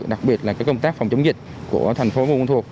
đặc biệt là công tác phòng chống dịch của thành phố buôn ma thuột